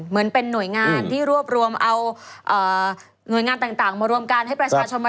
อ๋อมีศูนย์การค้าไหม